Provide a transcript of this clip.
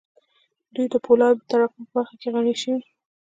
دوی د پولادو د تراکم په برخه کې غني شوې